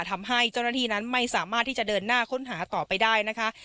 ทำให้เจ้าหน้าที่นั้นไม่สามารถที่จะเดินหน้าค้นหาต่อไปได้นะคะ